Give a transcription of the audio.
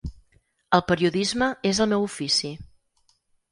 El periodisme és el meu ofici.